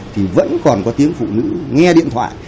thì vẫn còn có tiếng phụ nữ nghe điện thoại